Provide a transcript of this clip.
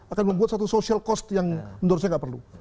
akan membuat satu social cost yang menurut saya tidak perlu